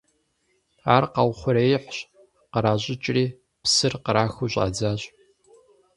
Ар къаухъуреихьщ, къращӏыкӏри, псыр кърахыу щӏадзащ.